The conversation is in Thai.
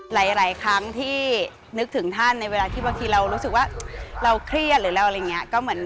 หลายครั้งที่นึกถึงท่านในเวลาที่บางทีเรารู้สึกว่าเราเครียด